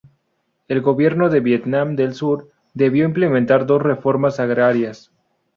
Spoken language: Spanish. El gobierno de Vietnam del Sur debió implementar dos reformas agrarias.